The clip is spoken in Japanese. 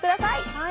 はい。